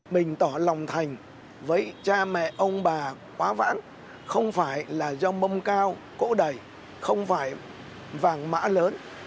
mình tỏ lòng thành với cha mẹ ông bà quá vãn không phải là do mông cao cỗ đẩy không phải vàng mã lớn